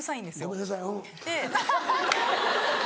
ごめんなさいうん。